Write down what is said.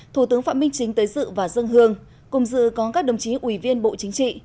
thủ tướng phạm minh chính tới dự và dân hương cùng dự có các đồng chí ủy viên bộ chính trị